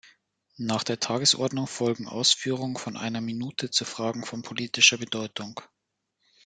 Nach der Tagesordnung folgen Ausführungen von einer Minute zu Fragen von politischer Bedeutung.